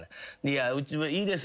「うちはいいです。